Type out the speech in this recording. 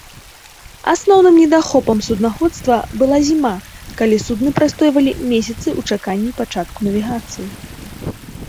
Асноўным недахопам суднаходства была зіма, калі судны прастойвалі месяцы ў чаканні пачатку навігацыі.